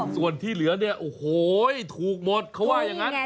ส่วนที่เหลือเนี่ยโอ้โหถูกหมดเขาว่าอย่างนั้น